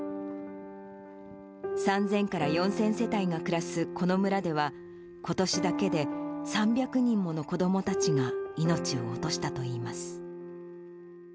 ３０００から４０００世帯が暮らすこの村では、ことしだけで３００人もの子どもたちが命を落としたといいます。